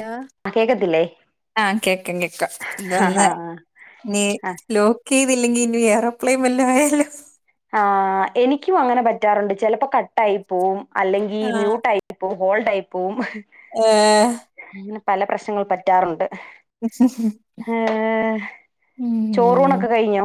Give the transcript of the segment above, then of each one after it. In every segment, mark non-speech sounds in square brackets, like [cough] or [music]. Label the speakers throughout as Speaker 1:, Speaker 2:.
Speaker 1: Law
Speaker 2: ആ കേക്കത്തില്ലേ
Speaker 1: ആഹ കേക്ക കേക്കാ
Speaker 2: ആ ആ
Speaker 1: ഇതൊന്ന് ഞ്ഞ്
Speaker 2: ആ
Speaker 1: ലോക്ക് ഈതില്ലെങ്കി ഇഞ്ഞ് എറോപ്ലൈൻ വല്ലോ ആയാലൊ
Speaker 2: ആഹ എനിക്യു അങ്ങനെ പറ്റാറുണ്ട് ചെലപ്പോ കട്ടായി പോവും അല്ലെങ്കി
Speaker 1: ആഹ്
Speaker 2: മ്യൂട്ടായി പോവും ഹോൾഡായി പോവും
Speaker 1: ഏഹ്
Speaker 2: അങ്ങനെ പല പ്രശ്ങ്ങളും പറ്റാറുണ്ട് ഹ് ചോറൂണൊക്കെ കയ്ഞ്ഞോ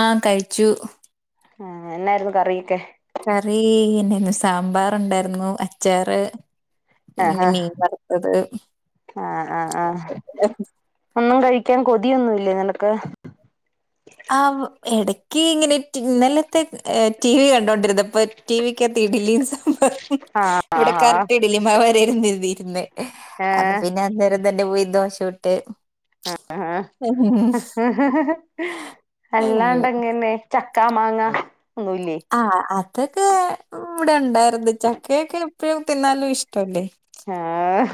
Speaker 1: ആഹ കഴിച്ചു
Speaker 2: ആഹ എന്നായിര്ന്നു കറീക്കെ
Speaker 1: കറീ എന്നായിര്ന്നു സാമ്പാറുണ്ടായിര്ന്നു അച്ചാറ്
Speaker 2: ആ
Speaker 1: പിന്നെ
Speaker 2: ആ
Speaker 1: മീൻ വർത്തത്
Speaker 2: ആ ആ ആ ഒന്നും കഴിക്കാൻ കൊതിയൊന്നുംല്ലേ നിനക്ക്
Speaker 1: ആഹ ഇടക്ക്യ ഇങ്ങനെ ഇന്നലത്തെ ടി വി കണ്ടൊണ്ടിര്ന്ന വേ ടി വി ക്കാത്തി ഇഡ്ലിം സാമ്പാറും
Speaker 2: ആ
Speaker 1: ഇവടെ
Speaker 2: ആ
Speaker 1: കറക്റ്റ് ഇഡലി മാവരാരന്നീര്ന്ന്
Speaker 2: ഏ
Speaker 1: അപ്പ പിന്നെ അന്നേരം തന്നെ പോയി ദോശ ചുട്ട്
Speaker 2: ആഹ
Speaker 1: അയ്യോ
Speaker 2: അല്ലാണ്ടങ്ങനെ ചക്കാ മാങ്ങ ഒന്നുല്ലേ
Speaker 1: ആഹ അതൊക്കെ ഇവടെ ഉണ്ടായിര്ന്ന് ചക്കയൊക്കെ എപ്പഴും തിന്നാലും ഇഷ്ട്ടല്ലേ
Speaker 2: ആഹ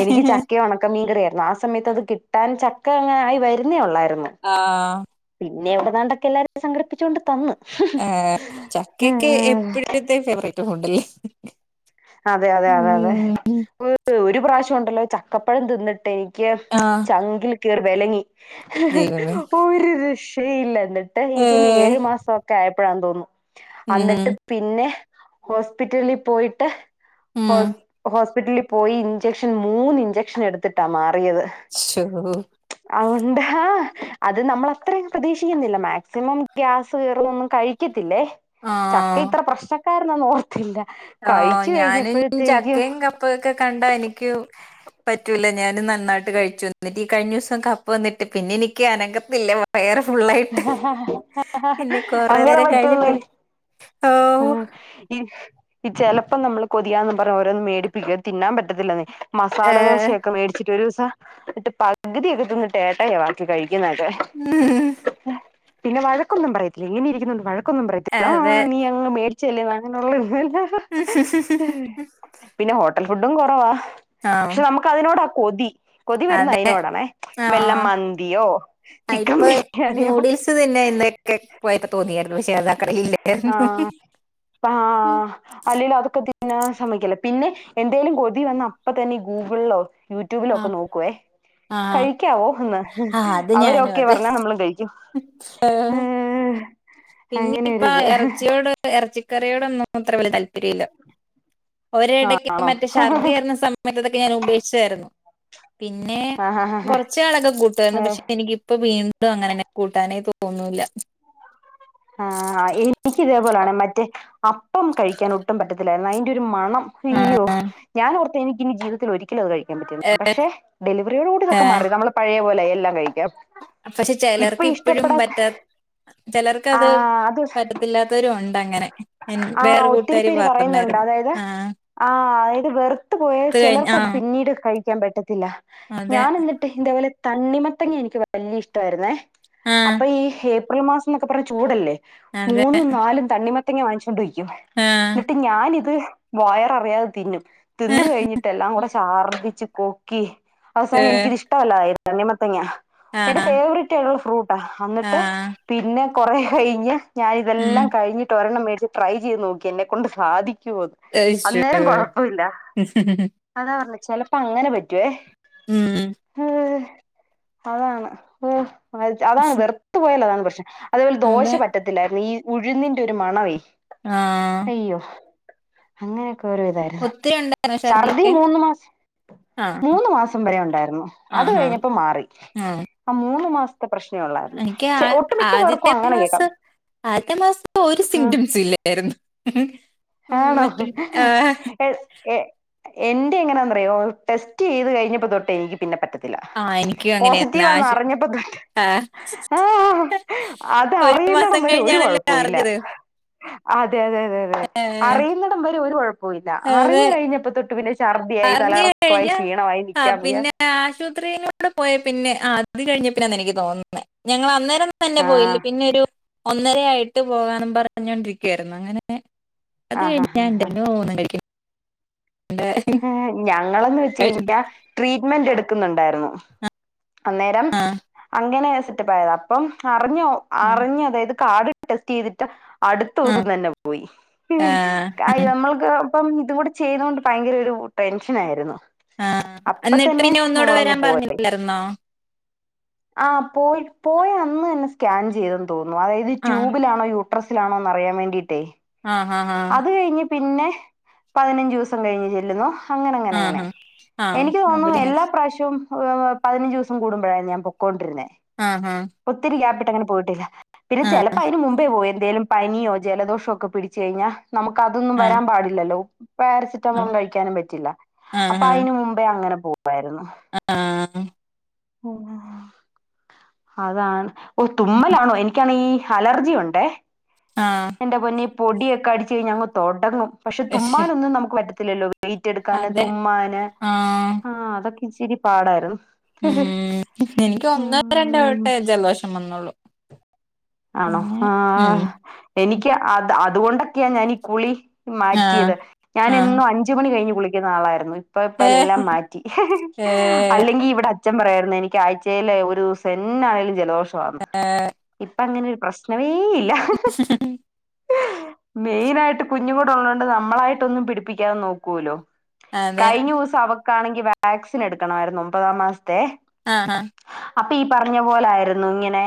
Speaker 2: എനിക്ക് ചക്ക ഒണ ക്ക മീൻകറി ആര്ന്നു ആ സമയത്ത് അത് കിട്ടാൻ ചക്ക അങ്ങനായി വര്ന്നേ ഒള്ളായിര്ന്നു
Speaker 1: ആഹ
Speaker 2: പിന്നെ എവ്ട്ന്നാണ്ടക്കെ എല്ലാരും സംഘടിപ്പിച്ച് കൊണ്ട് തന്ന്
Speaker 1: ഏഹ ചക്കയൊക്കെ
Speaker 2: ഉം
Speaker 1: എപ്പഴ്ത്തെ ഫേവറൈറ്റ് ഫുഡല്ലേ
Speaker 2: അതെ അതെ അതെ അതെ
Speaker 1: ഉം.
Speaker 2: ഒര് പ്രാവശ്യം ഉണ്ടല്ലോ ചക്കപ്പഴം തിന്ന്ട്ടേ ക്ക്യ
Speaker 1: ആ
Speaker 2: ചങ്കിൽ കേറി വേലങ്ങി
Speaker 1: ദൈവമേ!
Speaker 2: ഒര് രക്ഷയില്ലര്ന്ന് ത്ത എനിക്കൊന്ന്
Speaker 1: ഏഹ്
Speaker 2: ഏഴ് മാസഒക്കെ ആയപ്പഴാന്ന് തോന്ന്ന്നു
Speaker 1: ഉം.
Speaker 2: അന്നിട്ട് പിന്നെ ഹോസ്പിറ്റലി പോയിട്ട്
Speaker 1: ഉം.
Speaker 2: ഹോസ് ഹോസ്പിറ്റലിൽ പോയി ഇഞ്ചക്ഷൻ മൂന്ന് ഇഞ്ചക്ഷൻ എട്ത്തിട്ടാ മാറിയത്
Speaker 1: ശോ
Speaker 2: അഹ് ഒണ്ടാ അത് നമ്മള് അത്രയും പ്രതീക്ഷിക്ക്ന്നില്ല മാക്സിമം ഗ്യാസ് കേറ്ന്നൊന്നും കഴി ക്കേത്തില്ലേ
Speaker 1: ആഹ
Speaker 2: ചക്ക ഇത്ര പ്രശ്നക്കാരനാന്ന് ഓർത്തില്ല
Speaker 1: ആ
Speaker 2: കഴ
Speaker 1: ഞാനും ചക്കയും കപ്പക്കെ കണ്ടാ എനിക്യു പറ്റൂല ഞാന് നന്നായിട്ട് കഴിച്ചു ഇന്നിട്ട് ഈ കഴിഞ്ഞുസം കപ്പ ന്നിട്ട് പിന്നെ എനിക്ക് അനഗത്തില്ല വയറ് ഫുള്ളായിട്ട് പിന്നെ കൊറെ നേരം കഴിഞ്ഞപ്പഴ് ഓ
Speaker 2: ആഹ ഈ ഈ ചെലപ്പം നമ്മള് കൊതിയാന്ന് പറഞ്ഞ് ഓരോന്നു മേടിപ്പിക്കേ തിന്നാൻ പറ്റത്തില്ലന്നേ മസാല
Speaker 1: ഏഹ്
Speaker 2: ദോശയൊക്കെ മേടിച്ചിട്ട് ഒരുസം ഇട്ട് പകതിക്കെ തിന്ന്ട്ടേ ഏട്ടായാ ബാക്കി കഴിക്ക്ന്നൊക്കെ
Speaker 1: [inaudible]
Speaker 2: പിന്നെ വഴക്കൊന്നും പറയത്തില്ല ഇങ്ങനെ ഇരിക്ക്ന്നൊണ്ട് വഴക്കൊന്നും പറയത്തില്ല ആഹ
Speaker 1: അതെ
Speaker 2: നീ അങ്ങ് മേടിചെല്ലേ വാങ്ങ് [unintelligible] പിന്നെ ഹോട്ടൽ ഫുഡും കൊറവാ
Speaker 1: ആഹ്
Speaker 2: ക്ഷേ നമ്മക്ക് അതിനോട കൊതി. കൊതി വരുന്ന
Speaker 1: അതെ
Speaker 2: അയ്നോടണെ വെല്ല
Speaker 1: ആഹ്
Speaker 2: മന്തിയോ
Speaker 1: ആഹ്
Speaker 2: ചിക്കൻ
Speaker 1: ഇപ്പൊ
Speaker 2: ബിരിയാണിയോ
Speaker 1: നൂഡിൽസ് തിന്നാൻ ഇന്നക്കെ പോയപ്പോ തോന്നിയാര്ന്നു പക്ഷെ അതാ ആ കടയിലില്ലായിരുന്നു.
Speaker 2: ആഹ് ആ അല്ലേല്ലോ അതൊക്കെ തിന്നാൻ സമ്മയ്ക്കേല്ല. പിന്നെ എന്തേലും കൊതി വന്ന അപ്പ തന്നെ ഈ ഗൂഗിൾലോ
Speaker 1: ആ കടയിലില്ലായിരുന്നു
Speaker 2: യൂട്യൂബിലൊക്കെ
Speaker 1: ആഹ്
Speaker 2: നോക്കുവേ
Speaker 1: ആഹ്
Speaker 2: കയി ക്കാവോന്ന്
Speaker 1: ആഹ് അത് ഞാനും
Speaker 2: അവരൊക്കെ
Speaker 1: അതെ
Speaker 2: പറഞ്ഞാ നമ്മള് കഴിക്കും.
Speaker 1: പിന്നെയിപ്പ
Speaker 2: അങ്ങനെയൊരിത്
Speaker 1: ഇറച്ചിയോട് ഇറച്ചിക്കറിയോടൊന്നും അത്ര വല്യ താല്പര്യ ഇല്ല. ഒരിടയ്ക്ക്
Speaker 2: ആണോ
Speaker 1: മറ്റേ ഛർദ്ദിയാരുന്ന സമയത്തോക്കെ ഞാൻ ഉപേക്ഷിച്ചായിരുന്നു. പിന്നെ കൊറച്ച് നാളൊക്കെ കൂട്ടുവാ രുന്നു.
Speaker 2: ആഹ്
Speaker 1: പക്ഷെ എനിക്കിപ്പ വീ ണ്ട് അങ്ങനെനനന്നേ കൂട്ടാന തോന്നൂല്ല.
Speaker 2: ആ എനിക്ക് ഇതേപോലാണ് മറ്റേ അപ്പം കഴിക്കാൻ ഒട്ടും പറ്റത്തില്ലായിരുന്നു അയ്ന്റെ ഒ ഒരു മണം അയ്യോ
Speaker 1: ആഹ്
Speaker 2: ഞാനോർത്തെ എനിക്കിനി ജീവിതത്തിൽ ഒരിക്ക ലും അത് കഴിക്കാൻ പറ്റില്ലാന്ന്. പക്ഷെ ഡെലിവറിയോടുകുടി ഇതൊക്കെ മാറി നമ്മള് പഴയപോലെയായി എല്ലാം കഴിക്കാം.
Speaker 1: ക്ഷെ
Speaker 2: ഇപ്പൊ
Speaker 1: ചിലർക്ക് ഇപ്പോഴും
Speaker 2: ഇഷ്ടപ്പെടാത്ത
Speaker 1: പറ്റാ ചിലർക്ക അത്
Speaker 2: ആഹ് അത്
Speaker 1: പ ല്ലാത്തവരു ഉണ്ട് അങ്ങനെ
Speaker 2: ആഹ്
Speaker 1: വേറെ കൂട്ടുകാരി പറഞ്ഞായിരുന്നു. ആ
Speaker 2: ആ അതായത് വെറുത്തു പോയ ചിലർക്ക്‌ അത്
Speaker 1: ആഹ്
Speaker 2: പിന്നീട് കഴി ക്കാൻ പറ്റത്തില്ല.
Speaker 1: അതെ
Speaker 2: ഞാൻ എന്നിട്ട് ഇതേപോലെ തണ്ണിമത്തങ്ങ എനിക്ക് വല്യ ഇഷ്ടമായിരുന്നേ
Speaker 1: ആഹ്
Speaker 2: അപ്പൊ ഈ ഏപ്രിൽ മാസം എന്നൊക്കെ പറഞ്ഞ ചൂടല്ലേ
Speaker 1: അതെ
Speaker 2: മൂന്നും നാലും തണ്ണിമത്തങ്ങ വാങ്ങിച്ചോണ്ട് വെയ്ക്കും
Speaker 1: ആഹ്
Speaker 2: എന്നിട്ട് ഞാനിത് വയർ അറിയാതെ തിന്നും തിന്ന കഴിഞ്ഞിട്ട് എല്ലാം കൂടെ ശർദിച്ച് കൊക്കി അവസാനം
Speaker 1: ഏഹ്
Speaker 2: എനിക്കിത് ഇഷ് ടല്ലാതായി തണ്ണിമത്തങ്ങ. എന്റെ
Speaker 1: ആഹ്
Speaker 2: ഫേവററ്റായിട്ടുള്ള ഫ്രൂട്ടാ. എന്നിട്ട്
Speaker 1: ആഹ്
Speaker 2: പിന്നെ കുറെ കയിഞ്ഞ്
Speaker 1: ഉം
Speaker 2: ഞാനിതെല്ലാം കഴിഞ്ഞി ഒരെണ്ണം മേടിച്ച് ട്രൈ ചെയ്ത് നോക്കി. എന്നെ കൊണ്ട് സാധിക്കുവോന്ന്.
Speaker 1: അയ്യോ
Speaker 2: അന്നേരം കൊഴപ്പവില്ല. അതാ പറഞ്ഞ ചെലപ്പ അങ്ങനെ പറ്റുവേ.
Speaker 1: ഉം
Speaker 2: അതാണ് അതാണ് വെറുത്തു പോയൽ അതാണ് പ്രശ്നം. അതേപോലെ ദോശ
Speaker 1: അതെ
Speaker 2: പ റ്റത്തിലായിരുന്നു. ഈ ഉഴുന്നിന്റെ ഒരു മണവെ
Speaker 1: ആ
Speaker 2: ഇയ്യോ അങ്ങനെയൊക്കെ ഓരോ ഇതായിരുന്നു.
Speaker 1: ഒത്തിരി ഉണ്ടായിരുന്നോ
Speaker 2: ഛർദി
Speaker 1: ഛർദിയൊക്കെ
Speaker 2: മൂന്ന് മാസം
Speaker 1: ആഹ്
Speaker 2: മൂന്ന് മാസം വരെ ഉണ്ടായിരുന്നു. അത്
Speaker 1: ആഹ്
Speaker 2: കഴിഞ്ഞപ്പോ മാറി.
Speaker 1: ആഹ്
Speaker 2: ആ മൂന്നമാസത്തെ പ്രശ്നെ ഒള്ളായിരുന്നു.
Speaker 1: എനിക്ക് ആ ആദ്യത്തെ മാസം. ആദ്യത്തെ മാസം ഒരു
Speaker 2: ഉം
Speaker 1: സിംറ്റംസും ഇല് രുന്നു.
Speaker 2: ആണോ? എന്റെ എങ്ങനാന്നറിയോ ടെസ്റ്റ് ചെയ്ത് കഴിഞ്ഞപ്പോ തൊട്ട് എനിക്ക് പിന്നെ പറ്റ ല്ല.
Speaker 1: ആഹ് എനിക്കും അങ്ങനെയായിരുന്നു
Speaker 2: പോസിറ്റീവാന്ന്
Speaker 1: ആശ്
Speaker 2: അറിഞ്ഞപ്പോ തൊട്ട്.
Speaker 1: ആഹ്
Speaker 2: ആ അത്
Speaker 1: ഒരു
Speaker 2: അറിയുന്നൊടം
Speaker 1: മാസം
Speaker 2: വരെ ഒരു
Speaker 1: കഴിഞ്ഞാണല്ലോ
Speaker 2: കൊഴപ്പോല്ല.
Speaker 1: അറിഞ്ഞത്
Speaker 2: അതെ അതെ അതെ അതെ
Speaker 1: ഏഹ്
Speaker 2: അറിയുന്നൊടം വരെ ഒരു കൊഴപ്പോല്ല.
Speaker 1: അത്
Speaker 2: അറിഞ്ഞു കഴിഞ്ഞപ്പോ തൊട്ടു പിന്നെ ശ ഛർദിയായി തലറക്കമായി ക്ഷീണമായി നിക്കാൻ വയ്യ.
Speaker 1: ആശുപത്രിയിലോട്ട് പോയ പിന്നെ അത് കഴിഞ്ഞേ പിന്നെന്നാ എനിക്ക് തോന്നുന്നത്. ഞങ്ങൾ അന്നേരം, തന്നെ പോയില്ലേ.
Speaker 2: ആഹ്
Speaker 1: പിന്നെ ഒരു ഒന്നര ആയിട്ട് പോകാന്നും പറഞ്ഞോണ്ടിരിക്കുവായിരുന്നു. അങ്ങനെ അത്
Speaker 2: ആഹ്
Speaker 1: കഴിഞ്ഞാ ഞാൻ എന്റെ
Speaker 2: ആഹ്
Speaker 1: പൊന്നോ ഒന്നും കഴിക
Speaker 2: ഞങ്ങളന്ന് വെച്ച് കഴിഞ്ഞ ട്രീറ്റ്മെന്റ് എടു ന്നുണ്ടായിരുന്നു അന്നേരം
Speaker 1: ആഹ്
Speaker 2: അങ്ങനെ സെറ്റപ്പായത. അപ്പം അറിഞ്ഞോ
Speaker 1: ഉം
Speaker 2: അറിഞ്ഞ് അതായത് കാട് ടെസ്റ്റ് ചെയ്തിട്ട് അടുത്ത
Speaker 1: ആഹ്
Speaker 2: ദിവസം തന്നെ പോയി
Speaker 1: ആഹ് ഉം
Speaker 2: നമ്മൾക്ക് ഇപ്പം ഇതും കൂടെ ചെയ്തൊ ഭയങ്കര ഒരു ടെൻഷനയിരുന്നു.
Speaker 1: ആഹ് എന്നിട്ട് ഇനി ഒന്നുകൂടെ വരാൻ പറഞ്ഞില്ലായിരുന്നോ?
Speaker 2: ആഹ് പോയി പോയി അന്ന് തന്നെ സ്കാൻ ചെയ്തെന്ന് തോന്നുന്നു അതായത്
Speaker 1: ആഹ്
Speaker 2: ട്യൂബിലാണോ യു ട്രസ്സിലാണോ അറിയാൻ വേണ്ടീട്ടേ.
Speaker 1: ആഹ് ആഹ് ആഹ്-
Speaker 2: അത് കഴിഞ്ഞ് പിന്നെ പതിനഞ്ച് ദിവസം കഴിഞ്ഞ് ചെല്ലുന്നു. അങ്ങനെ അങ്ങനെ അങ്ങനെ
Speaker 1: ആഹാ ആഹ്
Speaker 2: എനിക്ക്
Speaker 1: അവിടെ
Speaker 2: തോന്നുന്നു
Speaker 1: അങ്ങനെ
Speaker 2: എല്ലാ പ്രാവശ്യ പതിനഞ്ച് ദിവസം കൂടുമ്പോഴാണ് ഞാൻ പൊക്കൊണ്ടിർന്നെ.
Speaker 1: ആഹ് ആഹ് -
Speaker 2: ഒത്തിരി ഗ്യപ്പിട്ട് അങ്ങനെ പോയിട്ടില്ല പിന്നെ
Speaker 1: ആഹ്
Speaker 2: ചെലെപ്പോ അയ്ന് മുമ്പേ പോയി എന്തേലും പനിയോ ജലദോഷോ ഒക്കെ പിടിച്ച്. കയ്ഞ്ഞ ന്നമുക്ക്
Speaker 1: ആഹ്
Speaker 2: അതൊന്നുംവരാൻ പാടില്ലല്ലോ? പരസിെറ്റമോൾ കഴിക്കാനും പറ്റില്ല
Speaker 1: ആഹ്
Speaker 2: അപ്പൊ അയ്ന് മുമ്പേ അങ്ങനെ പോവായിരുന്നു.
Speaker 1: ആഹ് ആഹ്-
Speaker 2: അതാണ് ഓ തുമ്മലാണോ എനിക്കാണീ- ഹലർജിയുണ്ടേ.
Speaker 1: ആഹ്-
Speaker 2: എന്റെ പൊന്നെ ഈ പൊടിയൊക്കെടിച്ച് കഴിഞ്ഞാൽ തൊടങ്ങും പശെ
Speaker 1: ആഹ്
Speaker 2: തുമ്മാനൊന്നും ന്നമുക്ക് പറ്റത്തില്ലല്ലോ- വെയ്റ്റ് എടുക്കാന്
Speaker 1: അതെ
Speaker 2: തുമ്മാന് ആഹ് അതൊക്കെ ഇച്ചിരി പാടായിരുന്നു.
Speaker 1: ഉം എനിക്ക് ഒന്നോ,
Speaker 2: ഉം
Speaker 1: രണ്ടോവെട്ടെ ജലദോഷംവന്നൊള്ളു.
Speaker 2: ആണോ ആഹ് എനിക്ക് അത് അതുകൊണ്ടൊക്കെയാ ഞാനീകുളി
Speaker 1: ആഹ്
Speaker 2: മാറ്റിയെത്
Speaker 1: ആഹ്
Speaker 2: ഞാനെന്നും അഞ്ച്മണി കഴിഞ്ഞ് കുളിക്കുന്നആളായിരുന്നു. ഇപ്പ, ഇപ്പ
Speaker 1: ഏഹ്
Speaker 2: എല്ലാംമാറ്റി
Speaker 1: ഏഹ്
Speaker 2: അല്ലെങ്കിൽ ഇവടെ- അഛൻ പറയായിരുന്നു എനിക്ക് ആഴ്ചയിലെ ഒരു ദിവസം എന്താലും ജലദോഷമാ.
Speaker 1: ഏഹ
Speaker 2: ഇപ്പ അങ്ങനൊരു പ്രശ്നമേഇല്ല. മെയിനായിട്ട് കുഞ്ഞുംകൂടെ ഉള്ളതോണ്ട് ന്നമ്മളായിട്ടൊന്നും പിടിപ്പിക്കാതെ നോക്കോലൊ.
Speaker 1: അതെ
Speaker 2: കഴിഞ്ഞ വസം അവക്കാണെങ്കി വാക്സിൻ എടുക്കണമായിരുന്നു ഒമ്പതാം മാസത്തെ.
Speaker 1: ആഹ് -
Speaker 2: അപ്പീപറഞ്ഞ പോലായിരുന്നു ഇങ്ങനെ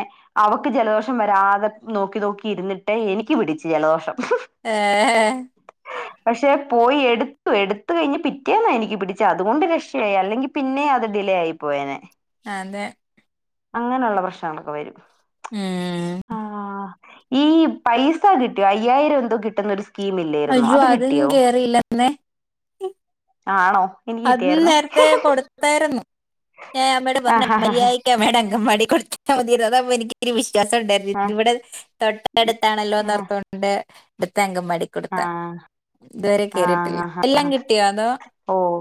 Speaker 2: അവക്ക് ജലദോഷ് ഷം വെരാതെ നോക്കി, നോക്കി ഇരുന്നിട്ട് എനിക്ക് പിടിച്ചു ജലദോഷം.
Speaker 1: ഏഹ്
Speaker 2: പക്ഷെ പോയിഎടുത്തു എടുത്കഴിഞ്ഞ് പിറ്റേന്നാ എനിക്ക് പിടിചെഅതുകൊണ്ട് രക്ഷയായി അല്ലെങ്കിൽ പിന്നെ അത് ഡിലേയി- പോയെനെ-
Speaker 1: അതെ-
Speaker 2: അങ്ങനെയുള്ള പ്രശ്നങ്ങളൊക്കെ വരും.
Speaker 1: ഉം.
Speaker 2: ആഹ് ഈ പൈസകിട്ടിയോ അയ്യായിരം എന്തോ കിട്ടുന്നൊരു- സ്കീമില്ലായിരുന്നോ
Speaker 1: അയ്യോ
Speaker 2: അത്
Speaker 1: അതും
Speaker 2: കിട്ടിയോ
Speaker 1: കേറിയില്ലെന്നേ
Speaker 2: ആണോ? എനിക്ക്
Speaker 1: അത്
Speaker 2: കിട്ടിയായിരുന്നേ
Speaker 1: നേര്ത്തെ കൊടുത്തായിരുന്നു ഞാൻ അമ്മയോട്
Speaker 2: ആ
Speaker 1: പറഞ്ഞു
Speaker 2: ഹാ ഹാ ഹാ
Speaker 1: മയ്യാരിക്ക്- ന്റെഅമ്മേടെ അംഗംവാടീല് കൊട്ത്ത്ട്ടാ മതിയാര്ന്നു അതാകുമ്പോ എനിക്കൊരു വിശ്വാസം ഉണ്ടായിര്ന്നു.
Speaker 2: ഹാ.
Speaker 1: ഇവിടെ തൊട്ടടുത്താണല്ലോന്ന്ർത്തോണ്ട് ഇവിടുത്തെ അങ്കംവാടി-
Speaker 2: ആഹ്-
Speaker 1: ഇതുവെരെ കേറീട്ടില്ല എല്ലാം കിട്ടിയോ അതോ?
Speaker 2: ഓഹ്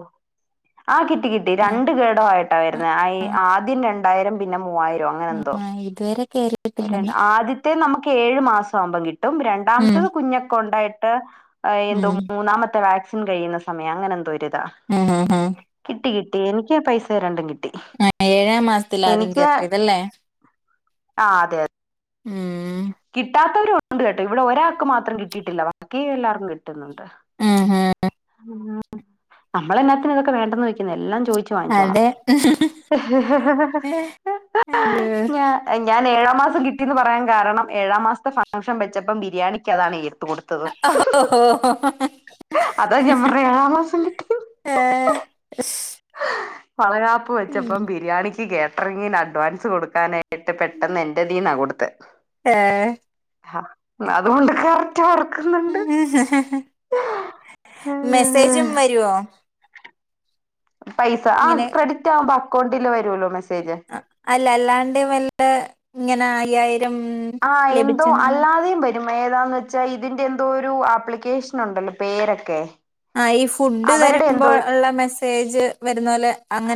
Speaker 2: ആഹ് കിട്ടി, കിട്ടി
Speaker 1: ആ
Speaker 2: രണ്ട് ഗെടുആയിട്ടാ
Speaker 1: ആ,
Speaker 2: വെരുന്നെ അയ്
Speaker 1: ആ,
Speaker 2: ആദ്യം- രണ്ടായിരം പിന്നെ മൂവായിരം അങ്ങനെ എന്തോ
Speaker 1: ഇതുവെരെ കേറി
Speaker 2: രണ് ആദ്യത്തെ ന്നമ്മക്ക് ഏഴുമാസം ആവുമ്പംകിട്ടും
Speaker 1: ഉം
Speaker 2: രണ്ടാമത്തത് കുഞ്ഞൊക്കെണ്ടായിട്ട് ഏഹ് എന്തോ
Speaker 1: ഉം
Speaker 2: മൂന്നാമത്തെ വാക്സിൻ കഴിയുന്ന സമയംഅങ്ങനെ എന്തോഒര്താ
Speaker 1: ആഹ് ആഹ്
Speaker 2: കിട്ടി കിട്ടി എനിക്ക് പൈസരണ്ടും കിട്ടി
Speaker 1: ഏഴാം മാസത്തിലാ അദ്യംകെര്ട്ടിയതല്ലേ
Speaker 2: ആഹ് അതെ
Speaker 1: ഉം
Speaker 2: കിട്ടാത്തവരുണ്ട്കേട്ടോ ഇവടെ ഒരാൾക്ക്മാത്രം കിട്ടിയിട്ടില്ല ബാക്കി എല്ലാവർക്കും കിട്ടുന്നുണ്ട്
Speaker 1: ആഹ ഹെ
Speaker 2: ഉം ന്നമ്മളെന്നാത്തിന ഇതൊക്കെ വേണ്ടെന്ന് വെയ്ക്കുന്നെ എല്ലാം ചോയ്ച്ച് വാങ്ങിച്ചോണം
Speaker 1: അതെ അയ്യോ
Speaker 2: ഞാ ഞാൻ ഏഴമാസം കിട്ടിന്ന് പറയാൻ കാരണം ഏഴാംമാസത്തെ ഫംഗ്ഷൻ വെച്ചപ്പം ബിരിയാണിക്ക് അതാണ് എട്ത്ത് കൊട്
Speaker 1: അഹാ ഹോ ഹോ ഹൊ ഹൊ
Speaker 2: അതാ ഞാപറഞ്ഞെ ഏഴാം മാസം കിട്ടി
Speaker 1: ഏ.
Speaker 2: വളകാപ്പ് വെച്ചപ്പം
Speaker 1: ഉം.
Speaker 2: ബിരിയാണിക്ക് കേറ്ററിങ്ങിന് അഡ്വാൻസ് കൊടുക്കാനെ കിട്ടു പെട്ടെന്ന് എന്റെതീന്ന കൊടുത്തെ
Speaker 1: ഏഹ്
Speaker 2: ആഹ് അതുകൊണ്ട് കറക്റ്റ് ഓർക്കുന്നു
Speaker 1: മെസ്സേജും വരുവോ
Speaker 2: പൈസ ആ
Speaker 1: ഇങ്ങനെ
Speaker 2: ക്രെഡിറ്റാകുമ്പോ അക്കൗണ്ടില് വരുഅല്ലോ മെസ്സേജ്
Speaker 1: അല്ല അല്ലാണ്ട് വല്ല ഇങ്ങനെ അയ്യായിരം
Speaker 2: ആഹ് എന്തോ
Speaker 1: ലഭിച്ചെന്ന്
Speaker 2: അല്ലാതെയും വരും മേതാന്ന് വെച്ചാ ഇതിന്റെ എന്തൊ ഒരു ആപ്ലിക്കേഷനുണ്ടല്ലോ പേരൊക്കെ
Speaker 1: ആഹ് ഈ ഫുഡ്
Speaker 2: അവരുടെ
Speaker 1: തരുമ്പോ
Speaker 2: എന്തോ
Speaker 1: ഉള്ള മെസ്സേജ് വരുന്നോലെ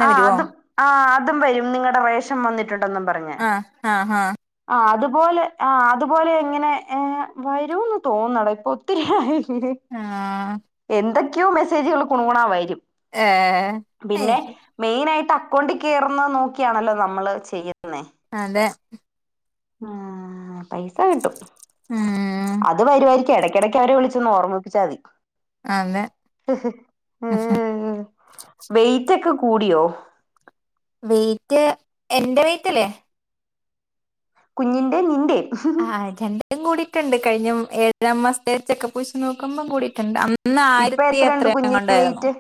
Speaker 2: ആഹ് അതും ആഹ് അതും വരും നിങ്ങടെ റേഷൻ വന്നിട്ടുണ്ടെന്നും പറ
Speaker 1: ആഹ് ആഹ് ആഹ്
Speaker 2: ആഹ് അതുപോലെ ആ അതുപോലെ ഇ ങ്ങനെ ഏ വരൂന്ന് തോന്നുന്നെടാ ഇപ്പൊ ഒത്തിരിയായില്ലെ
Speaker 1: ആഹ്
Speaker 2: എന്തൊക്കെയോ മെസ്സേജുകള് കുണുകുണാ വരും
Speaker 1: ഏഹ് അയ്
Speaker 2: പിന്നെ മെയിനായിട്ട് അക്കൗണ്ടി കേറുന്നെ നോക്കിയാണല്ലോ നമ്മള് ചെയ്യുന്നേ
Speaker 1: അതെ
Speaker 2: ആഹ് പൈസ കിട്ടും
Speaker 1: ആഹ്
Speaker 2: അത് വരൂവാരിക്കു എടക്കിടക്ക് അവരെ വിളിച്ചൊന്നോർമ്മിപ്പിച്ചാ മതി
Speaker 1: അതെ
Speaker 2: വെയ്റ്റ് ഒക്കെ കൂടിയോ
Speaker 1: വെയിറ്റ് എന്റെ വെയ്റ്റല്ലേ
Speaker 2: കുഞ്ഞിന്റേം നിന്റേം
Speaker 1: ആഹ് രണ്ടും കൂടിട്ടുണ്ട് കഴിഞ്ഞ ഏഴമാസത്തെ ചെക്കപ്പെച്ച് നോക്കുമ്പോം കൂടിട്ടുണ്ട് അന്ന് ഇന്ന്
Speaker 2: ഇപ്പൊ
Speaker 1: ആയിരത്തി
Speaker 2: എത്രയുണ്ട്
Speaker 1: എത്രയെ ങ്ങാ
Speaker 2: കുഞ്ഞിന്റെ
Speaker 1: ണ്ടായിരുന്നു
Speaker 2: വെയിറ്റ്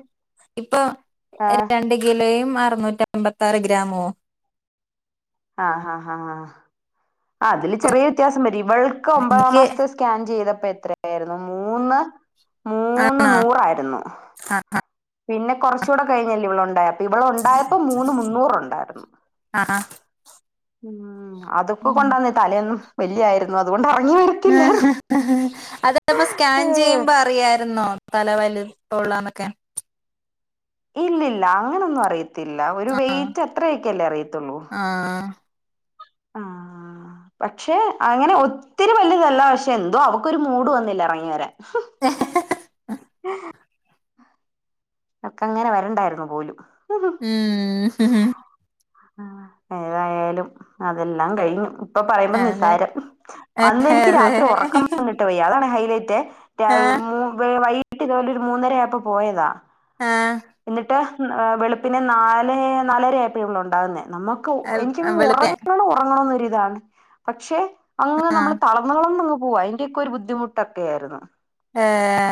Speaker 1: ഇപ്പൊ
Speaker 2: ആഹ്
Speaker 1: രണ്ട കിലോയും അറുന്നൂറ്റെമ്പത്താറ് ഗ്രാമുഅ
Speaker 2: ആഹ് ആഹ് ആഹ് അതില് ചെറിയ വ്യത്യാസം വരും ഇവൾക്ക് ഒമ്പതാം
Speaker 1: എനിക്ക്
Speaker 2: മാസത്തെ സ് സ്കാൻ ചെയ്തപ്പോ എത്രയായിരുന്നു മൂന്ന് മൂന്ന്
Speaker 1: ആണോ
Speaker 2: നൂറായിരുന്നു
Speaker 1: ആ
Speaker 2: പിന്നെ കൊറ്ചൂടെ കഴിഞ്ഞല്ലെ ഇവളുണ്ടായെ അപ്പ ഇവളുണ്ടായപ്പൊ മൂന്ന് മുന്നൂറുണ്ടായിരുന്നു
Speaker 1: ആ ആ ആ
Speaker 2: ഉം അതൊക്കെ കൊണ്ടാന്ന് തലേന്നും വല്ലി ആയിരുന്നു അതുകൊണ്ട
Speaker 1: അതപ്പൊ സ്കാൻ
Speaker 2: ഏഹ്
Speaker 1: ചിയ്യുമ്പൊ അറിയാരുന്നൊ? തല വലുപ്പ ഉള്ളാന്നൊക്കെ
Speaker 2: ഇല്ലില്ല അങ്ങനൊന്നും അറിയത്തില്ല ഒരു വെയിറ്റ് അത്രയൊക്കല്ലെ അറിയത്തുള്ളു
Speaker 1: ആഹ്
Speaker 2: ആഹ് പക്ഷേ അങ്ങനെ ഒത്തിരി വലുതല്ല പക്ഷെ എന്തോ അവക്കൊരു മൂഡ് വന്നില്ല എറങ്ങി വരാൻ
Speaker 1: [inaudible]
Speaker 2: [inaudible] അവക്കങ്ങനെ വരണ്ടാരുന്നു പോലും
Speaker 1: ഉം
Speaker 2: ഏതായാലും അതെല്ലാം കഴിഞ്ഞ് ഇപ്പൊ പറയുമ്പൊ
Speaker 1: അതെ
Speaker 2: നിസാരം അന്നെനിക്ക്
Speaker 1: അതെ
Speaker 2: രാത്രി ഒറക്കം വന്നിട്ട് വയ്യ അതാണ് ഹൈലൈറ്റെ
Speaker 1: ആ
Speaker 2: രാവി മൂ വൈ - കിട്ട് ഇതുപോലൊര് മൂന്നര ആയപ്പൊ പോയത
Speaker 1: ഏഹ്
Speaker 2: എന്നിട്ട് ഏഹ് വെളുപ്പിന് നാല് നാലരയപ്പൊ ഇവളുണ്ടാകുന്നെ നമ്മ എനിക്കങ്
Speaker 1: വെളുപ്പേ
Speaker 2: ഒറങ്ങണം ഒറങ്ങണംന്നൊര് ഇതാണ് പക്ഷെ അങ്ങനെ
Speaker 1: ആ
Speaker 2: നമ്മള് തളന്ന് തളന്നങ്ങ് പോവ അയിന്റെക്കൊരു ബുദ്ധിമുട്ടൊക്കായിര്ന്നു
Speaker 1: ഏഹ്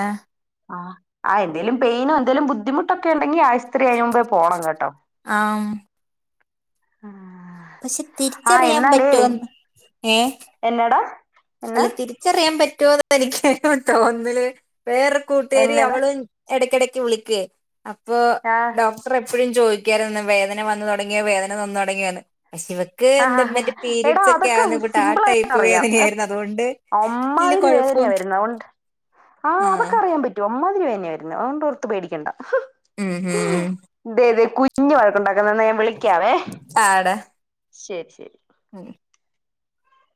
Speaker 2: ആഹ് ആഹ് എന്തേലും പെയിനൊ എന്തേലും ബുദ്ധിമുട്ടൊക്ക ഉണ്ടെങ്കി ഐസ് ത്രി അയിന് മുമ്പെ പോണം കെട്ടൊ
Speaker 1: ആം പക്ഷെ തിരിച്ചറിയാ പറ്റോന്ന് ഏഹ്
Speaker 2: എന്നാട
Speaker 1: അല്ല തിരിച്ചറിയാൻ പറ്റോന്ന് എനിക്ക് അറിയില്ല ഒന്നില് വേറെ കൂട്ടുകാരി
Speaker 2: എന്നതാ
Speaker 1: അവളും എടക്കെടക്ക് വിളിക്ക്യൊ അപ്പോ
Speaker 2: ആഹ്
Speaker 1: ഡോ എപ്പഴും ചോദിക്കാറ് വേദന വന്ന് തുടങ്ങ്യൊ വേദന വന്ന് തുടങ്ങ്യോന്ന് പക്ഷെ ഇവ
Speaker 2: ആഹ് എടാ അതൊക്ക
Speaker 1: ആ
Speaker 2: സിമ്പിളായിട്ട്
Speaker 1: ടൈപ്പ്
Speaker 2: അറിയാം
Speaker 1: വേദനയായിരുന്നു അതുകൊണ്ട് വലിയ
Speaker 2: അമ്മാതിരി വേദനയ
Speaker 1: കുഴപ്പം
Speaker 2: വര്ന്നെ അതുകൊണ്ട് ആഹ്
Speaker 1: ആ
Speaker 2: അതൊക്കറിയ പറ്റും അമ്മാതീരി വേന്യാ വര്ന്നെ അതോണ്ടൊർത്ത് പേടിക്കണ്ട
Speaker 1: ഉം ഉം
Speaker 2: ഇതെ ഇതെ കുഞ്ഞ് വഴക്കുണ്ടാക്ക്ന്നെ ഇന്ന ഞാൻ വിളിക്കാവെ
Speaker 1: ആടാ
Speaker 2: ശരി ശരി
Speaker 1: ഉം